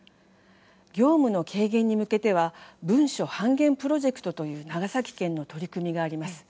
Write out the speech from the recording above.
業務の軽減に向けては文書半減プロジェクトという長崎県の取り組みがあります。